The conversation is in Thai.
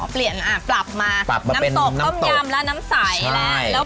เปลี่ยนปรับมาน้ำตกต้มยำและน้ำใสแล้ว